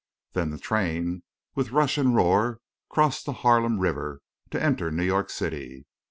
Then the train with rush and roar crossed the Harlem River to enter New York City.